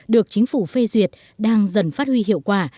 được chính phủ phê duyệt đang dần phát huy hiệu quả